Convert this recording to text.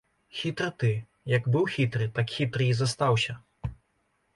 Хітры ты, як быў хітры, так хітры і застаўся.